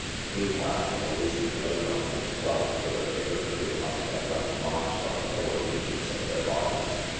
Meanwhile the policeman laid on his club with a vigor which must have left marks on the lower region of their bodies.